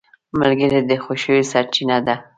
ملګری د خوښیو سرچینه ده